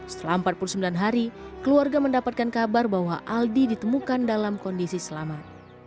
setelah empat puluh sembilan hari keluarga mendapatkan kabar bahwa aldi ditemukan dalam kondisi selamat